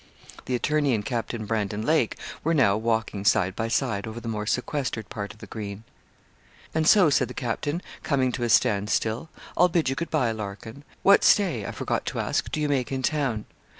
The attorney and Captain Brandon Lake were now walking side by side over the more sequestered part of the green. 'And so,' said the captain, coming to a stand still, 'I'll bid you good bye, Larkin; what stay, I forgot to ask, do you make in town?'